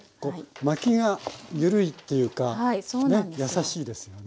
巻きが緩いっていうか優しいですよね。